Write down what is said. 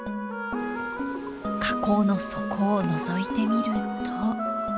河口の底をのぞいてみると。